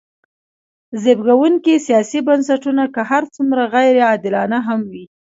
زبېښونکي سیاسي بنسټونه که هر څومره غیر عادلانه هم وي.